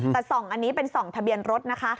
แต่ส่องอันนี้เป็นส่องทะเบียนรถนะคะ